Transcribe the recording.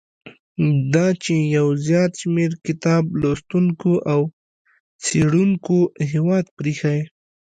دا چې یو زیات شمیر کتاب لوستونکو او څېړونکو هیواد پریښی.